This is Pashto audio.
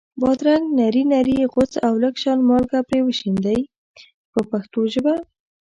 بادرنګ نري نري غوڅ او لږ شان مالګه پرې شیندئ په پښتو ژبه.